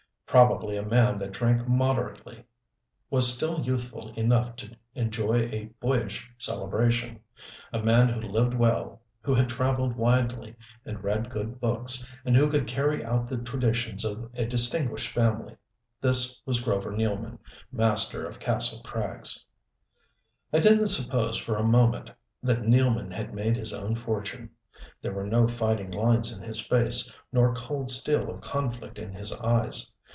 Probably a man that drank moderately, was still youthful enough to enjoy a boyish celebration, a man who lived well, who had traveled widely and read good books, and who could carry out the traditions of a distinguished family this was Grover Nealman, master of Kastle Krags. I didn't suppose for a moment that Nealman had made his own fortune. There were no fighting lines in his face, nor cold steel of conflict in his eyes.